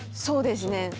そうですね。